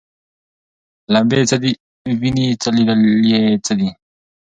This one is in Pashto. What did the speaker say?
لمبې څه دي ویني څه لیدل یې څه دي